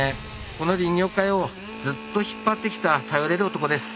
この林業界をずっと引っ張ってきた頼れる男です。